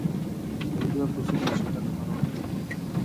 د لوبیا پوستکی د شکر لپاره وکاروئ